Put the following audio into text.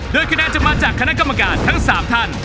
โดยคะแนนจะมาจากคณะกรรมการทั้ง๓ท่าน